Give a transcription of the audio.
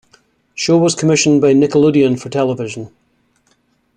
Show was commissioned by Nickelodeon for television.